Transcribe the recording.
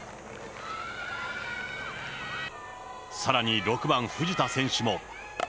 さらに６番藤田選手も。